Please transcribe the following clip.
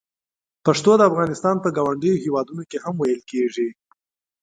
پښتو د افغانستان په ګاونډیو هېوادونو کې هم ویل کېږي.